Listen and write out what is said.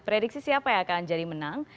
prediksi siapa yang akan jadi menang